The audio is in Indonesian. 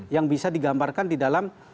yang bisa digambarkan di dalam